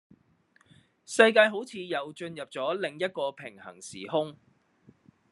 世界好似又進入左另一個平行時空